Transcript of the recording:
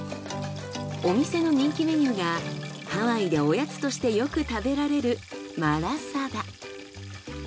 お店の人気メニューがハワイでおやつとしてよく食べられるマラサダ。